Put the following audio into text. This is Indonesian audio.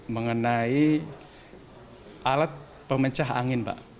mengenai alat pemecah angin pak